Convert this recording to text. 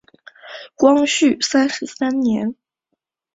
光绪三十三年。